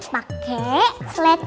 pakai selai kacang